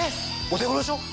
お手頃でしょ？